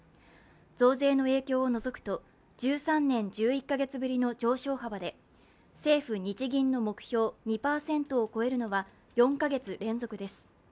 増税の影響を除くと１３年１１カ月ぶりの上昇幅で政府・日銀の目標２％を超えるのは４カ月連続です。